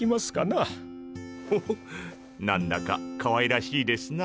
ほほっ何だかかわいらしいですな。